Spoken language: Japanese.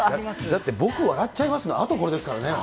だって、僕笑っちゃいますのあと、これですからね。